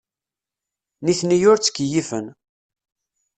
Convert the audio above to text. Nitni ur ttkeyyifen.